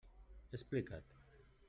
Explica't.